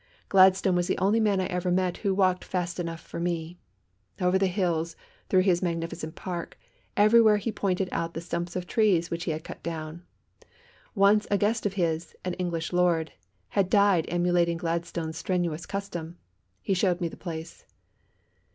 Gladstone was the only man I ever met who walked fast enough for me. Over the hills, through his magnificent park, everywhere he pointed out the stumps of trees which he had cut down. Once a guest of his, an English lord, had died emulating Gladstone's strenuous custom. He showed me the place.